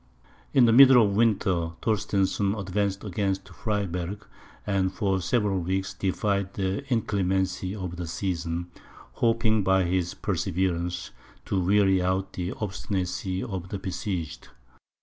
In the middle of winter, Torstensohn advanced against Freyberg, and for several weeks defied the inclemency of the season, hoping by his perseverance to weary out the obstinacy of the besieged.